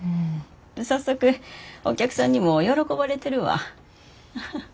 早速お客さんにも喜ばれてるわ。